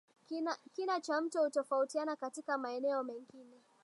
Kina cha mto hutofautiana katika maeneo mengine